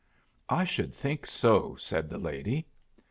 "I should think so," said the lady.